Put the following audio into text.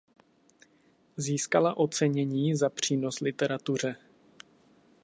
Získala ocenění za přínos literatuře.